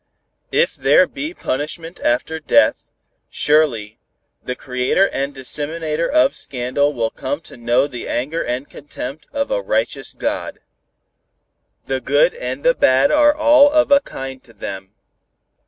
If there be punishment after death, surely, the creator and disseminator of scandal will come to know the anger and contempt of a righteous God. The good and the bad are all of a kind to them.